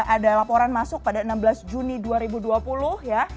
ada laporan masuk pada enam belas juni dua ribu dua puluh ya